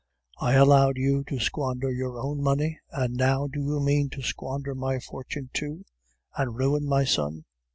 'I allowed you to squander your own money, and now do you mean to squander my fortune, too, and ruin my son?